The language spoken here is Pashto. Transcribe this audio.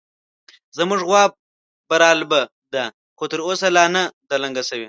زموږ غوا برالبه ده، خو تر اوسه لا نه ده لنګه شوې